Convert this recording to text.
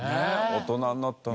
大人になったな。